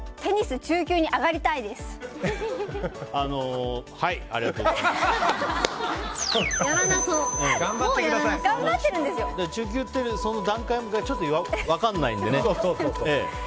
中級ってその段階が分からないんでね。